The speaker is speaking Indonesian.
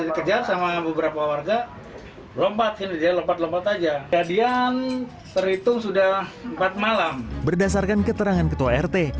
aksi terjadi di atap rumah warga